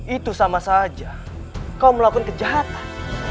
itu sama saja kau melakukan kejahatan